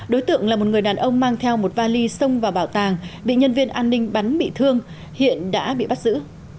đối tượng là một người đàn ông mang theo một vali xông vào bảo tàng bị nhân viên an ninh bắn bị thương hiện đã bị bắt giữ